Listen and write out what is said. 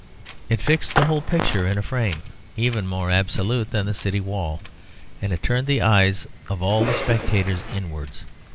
It fixed the whole picture in a frame even more absolute than the city wall; and it turned the eyes of all spectators inwards.